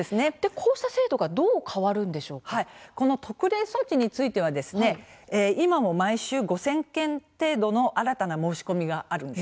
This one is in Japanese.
こうした制度がこの特例措置については今も毎週５０００件程度の新たな申し込みがあるんです。